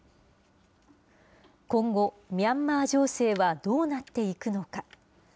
今後、ミャンマー情勢はどうなっていくのか。